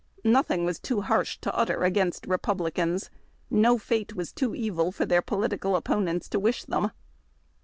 Nothing was too harsh to utter against Republicans. No fate was too evil for their political opponents to wish them.